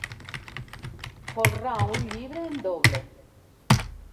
Folrar un llibre en doble.